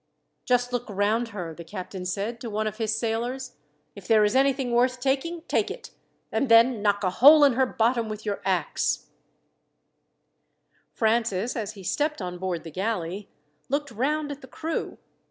"Just look round her," the captain said to one of his sailors. "If there is anything worth taking, take it, and then knock a hole in her bottom with your axe." Francis, as he stepped on board the galley, looked round at the crew.